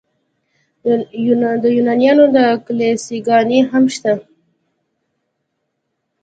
د یونانیانو کلیساګانې هم شته.